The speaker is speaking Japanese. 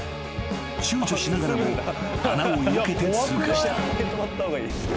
［ちゅうちょしながらも穴をよけて通過した］